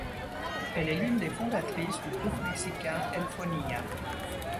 Elle est l'une des fondatrices du groupe mexicain Elfonía.